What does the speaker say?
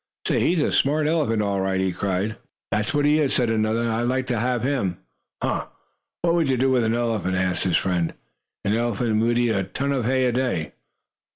"Say, he's a smart elephant all right!" he cried. "That's what he is!" said another. "I'd like to have him!" "Huh! What would you do with an elephant?" asked his friend. "An elephant would eat a ton of hay a day."